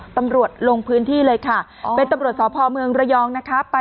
ตำรวจลงพื้นที่เลยค่ะเป็นตำรวจสพเมืองระยองนะคะ